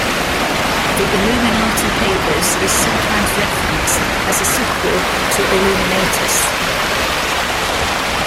"The Illuminati Papers" is sometimes referenced as a sequel to "Illuminatus!